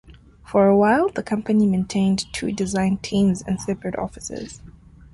For a while the company maintained two design teams in separate offices.